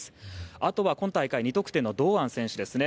あとは今大会２得点の堂安選手ですね。